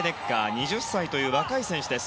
２０歳という若い選手です。